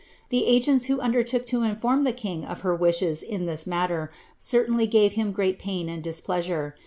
The agents who undertook to inform the king of her wishes in this matter, certainly gave him great pain and displeasure.